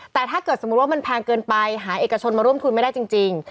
แต่ถ้าเกิดสมมุติว่ามันแพงเกินไปหาเอกชนมาร่วมทุนไม่ได้จริง